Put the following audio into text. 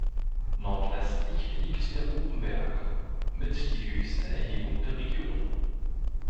Nordwestlich liegt der "Bubenberg", mit die höchste Erhebung der Region.